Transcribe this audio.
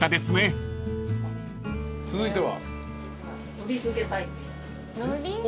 続いては？